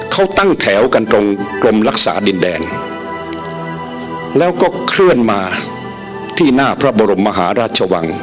เขาตั้งแถวกันตรงกรมรักษาดินแดนแล้วก็เคลื่อนมาที่หน้าพระบรมมหาราชวัง